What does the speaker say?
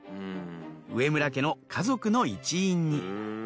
植村家の家族の一員に。